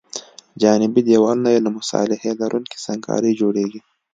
جانبي دیوالونه یې له مصالحه لرونکې سنګ کارۍ جوړیږي